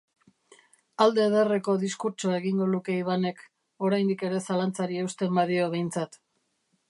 Alde ederreko diskurtsoa egingo luke Ibanek, oraindik ere zalantzari eusten badio behintzat.